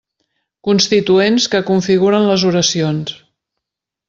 Constituents que configuren les oracions.